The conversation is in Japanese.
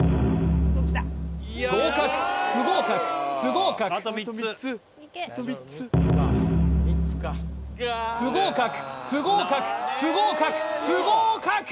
合格不合格不合格不合格不合格不合格不合格！